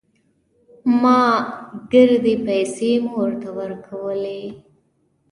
ما ګردې پيسې مور ته ورکولې.